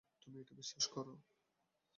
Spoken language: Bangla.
তুমি এটা বিশ্বাস করো?